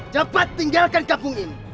cepat tinggalkan kampung ini